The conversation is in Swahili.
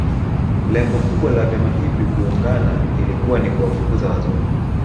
Lengo kubwa la vyama hivi kuungana ilikuwa ni kuwafukuza Wazungu